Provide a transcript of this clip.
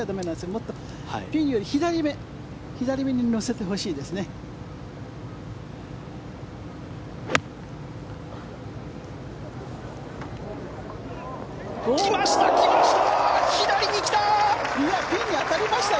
もっとピンより左めに乗せてほしいですね。来ました！